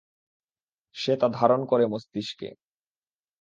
সে তা ধারণ করে মস্তিষ্কে।